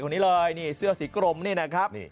คนนี้เลยนี่เสื้อสีกรมนี่นะครับ